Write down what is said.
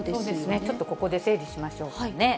ちょっとここで整理しましょうかね。